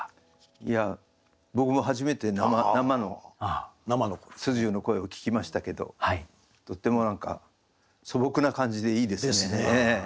いや僕も初めて生の素十の声を聞きましたけどとっても何か素朴な感じでいいですね。